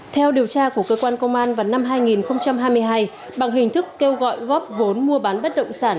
theo điều tra của cơ quan công an vào năm hai nghìn hai mươi hai bằng hình thức kêu gọi góp vốn mua bán bất động sản